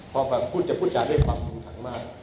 พอแบบพูดจะพูดจาด้วยความคุมขังมาก